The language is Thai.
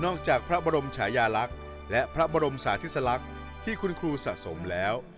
จากพระบรมชายาลักษณ์และพระบรมสาธิสลักษณ์ที่คุณครูสะสมแล้ว